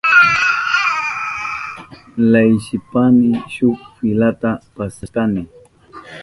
Leyishpayni shuk filata pasashkani.